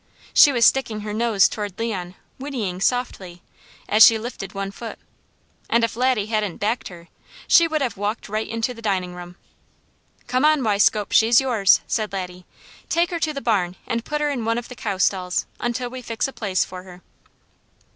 She was sticking her nose toward Leon, whinnying softly, as she lifted one foot, and if Laddie hadn't backed her, she would have walked right into the dining room. "Come on, Weiscope, she's yours!" said Laddie. "Take her to the barn, and put her in one of the cow stalls, until we fix a place for her."